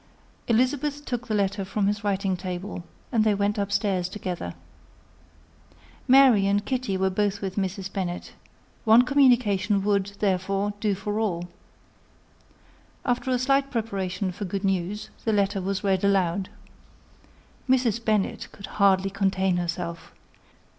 Elizabeth took the letter from his writing table, and they went upstairs together. Mary and Kitty were both with Mrs. Bennet: one communication would, therefore, do for all. After a slight preparation for good news, the letter was read aloud. Mrs. Bennet could hardly contain herself.